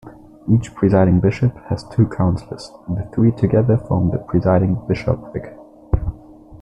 Each Presiding Bishop has two counselors; the three together form the Presiding Bishopric.